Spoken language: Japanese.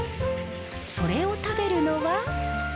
それを食べるのは。